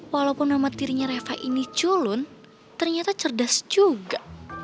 walaupun nama tirinya reva ini culun ternyata cerdas juga